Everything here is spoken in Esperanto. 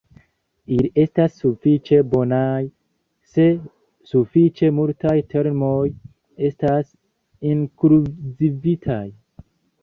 Ili estas sufiĉe bonaj se sufiĉe multaj termoj estas inkluzivitaj.